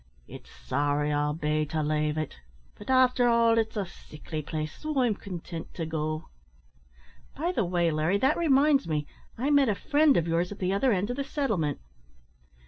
It's sorry I'll be to lave it. But, afther all, it's a sickly place, so I'm contint to go." "By the way, Larry, that reminds me I met a friend o' yours at the other end of the settlement."